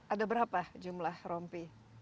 ada berapa jumlah rompi